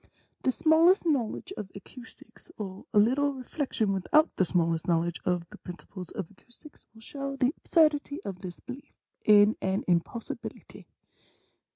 The smallest knowledge of acoustics, or a little reflection without the smallest knowledge of the principles of acoustics, will show the absurdity of this belief in an impos sibility.